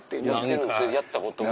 やったことが。